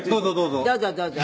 「どうぞどうぞ」